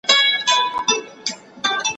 موږ چي ول ته به زموږ سره ملګری سې